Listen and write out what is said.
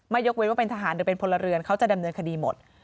ยกเว้นว่าเป็นทหารหรือเป็นพลเรือนเขาจะดำเนินคดีหมด